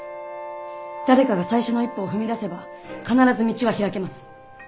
誰かが最初の一歩を踏み出せば必ず道は開けます。